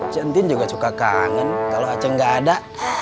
cie entin juga suka kangen kalo acing gak ada